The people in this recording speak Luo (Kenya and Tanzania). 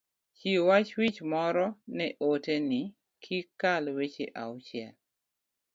chiw wach wich moro ne ote ni, kik kal weche auchiel